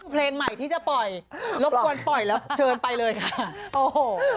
เพลงใหม่ที่จะปล่อยรบกวนปล่อยแล้วเชิญไปเลยค่ะโอ้โห